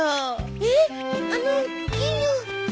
えっあの金魚。